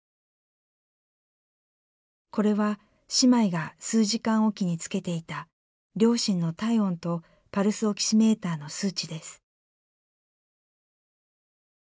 これは姉妹が数時間おきにつけていた両親の体温とパルスオキシメーターの数値です。